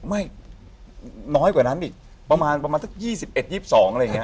ไม่น้อยกว่านั้นอีกประมาณประมาณสัก๒๑๒๒อะไรอย่างนี้